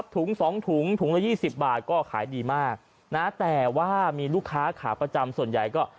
ถุง๒ถุงถุงละ๒๐บาทก็ขายดีมากนะแต่ว่ามีลูกค้าขาประจำส่วนใหญ่ก็